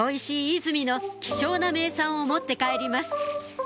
出水の希少な名産を持って帰ります